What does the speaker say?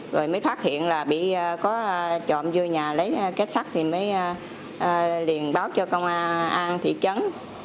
rồi mới phát hiện là bị có trộm vô nhà lấy két sắt thì mới liền báo cho công an an thị trấn